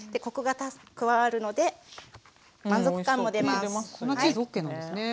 コクが加わるので満足感も出ます。